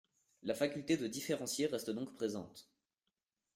La faculté de différencier reste donc présente.